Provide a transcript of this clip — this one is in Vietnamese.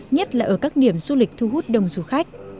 nhất là ở các điểm du lịch thu hút đông du khách